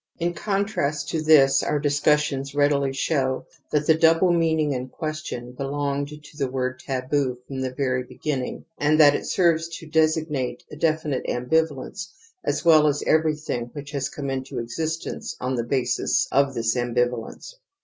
In contrast to this, our discussion readily shows that the double meaning in question belonged to the word taboo from the very beginning and th3,t it serves to designate a definite ambivalence as well as everything which has come into existence on the basis of this ambivalence.